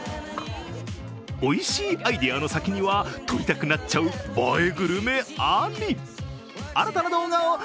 おいしいアイデアの先には撮りたくなっちゃう映え